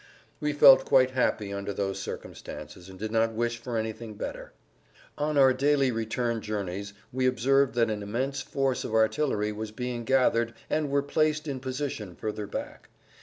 We felt quite happy under those circumstances and did not wish for anything better. On our daily return journeys we observed that an immense force of artillery was being gathered and were placed in position further back.